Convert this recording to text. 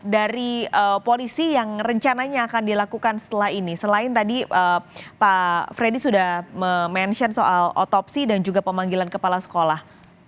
dari polisi yang rencananya akan dilakukan setelah ini selain tadi pak freddy sudah mention soal otopsi dan juga pemanggilan kepala sekolah